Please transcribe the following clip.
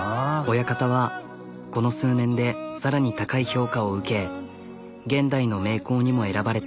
親方はこの数年で更に高い評価を受け現代の名工にも選ばれた。